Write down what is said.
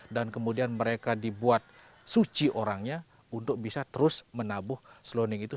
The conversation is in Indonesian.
dan kemudian mereka dibuat suci orangnya untuk bisa terus menabuh selonding itu